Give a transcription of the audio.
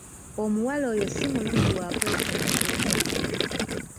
Omuwala oyo si mulungi wakwesembereza.